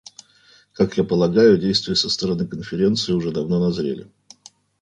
Как я полагаю, действия со стороны Конференции уже давно назрели.